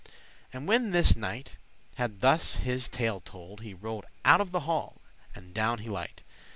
And when this knight had thus his tale told, He rode out of the hall, and down he light.